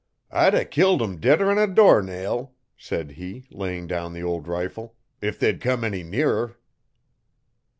'I'd a killed em deader 'n a door nail,' said he, laying down the old rifle, 'if they'd a come any nearer.'